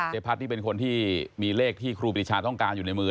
พัฒน์นี่เป็นคนที่มีเลขที่ครูปรีชาต้องการอยู่ในมือ